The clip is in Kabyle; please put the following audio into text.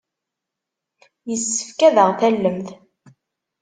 Yessefk ad aɣ-tallemt.